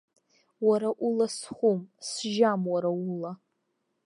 Уара ула схәым, сжьам уара ула.